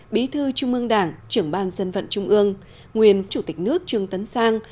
bí thư trung ương đảng trưởng ban dân vận trung ương nguyên chủ tịch nước trương tấn sang